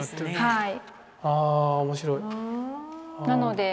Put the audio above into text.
はい。